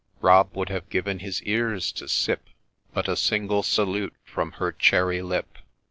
Rob would have given his ears to sip But a single salute from her cherry lip.